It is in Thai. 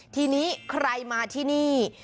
ทีนี้ใครมาที่นี่